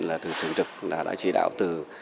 là thường trực đã chỉ đạo từ